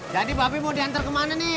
jadi bapak mau diantar ke mana nih